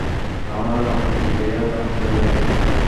আমার রাজনৈতিক ক্যারিয়ার ধ্বংস হয়ে যাবে।